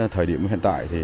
thời điểm hiện tại